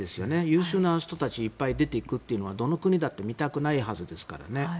優秀な人たちがいっぱい出ていくというのはどの国だって見たくないはずですからね。